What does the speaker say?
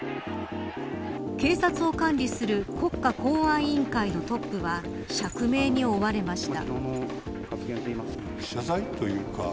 警察を管理する国家公安委員会のトップは釈明に追われました。